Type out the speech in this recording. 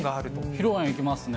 披露宴ありますね。